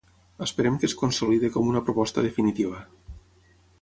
Esperem que es consolide com una proposta definitiva.